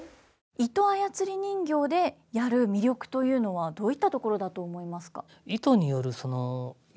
糸あやつり人形でやる魅力というのはどういったところだと思いますか？